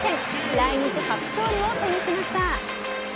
来日初勝利を手にしました。